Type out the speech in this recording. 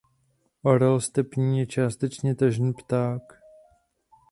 Orel stepní je částečně tažný pták.